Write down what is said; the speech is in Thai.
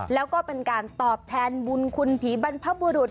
แล้วก็เป็นการตอบแทนบุญคุณผีบรรพบุรุษ